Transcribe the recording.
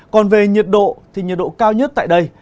còn về nhiệt độ thì nhiệt độ cao nhất tại đây